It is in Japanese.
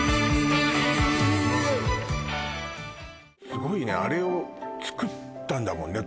すごいねあれをつくったんだもんね